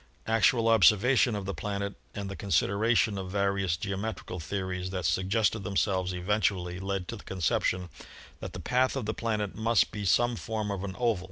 Actual observation of the planet and the consideration of various geometrical theories that suggested themselves eventually led to the conception that the path of the planet must be some form of an oval.